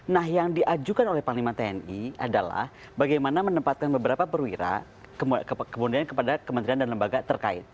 nah yang diajukan oleh panglima tni adalah bagaimana menempatkan beberapa perwira kemudian kepada kementerian dan lembaga terkait